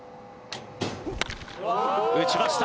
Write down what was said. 打ちました。